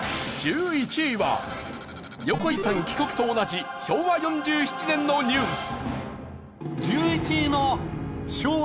１１位は横井さん帰国と同じ昭和４７年のニュース。